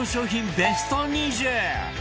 ベスト２０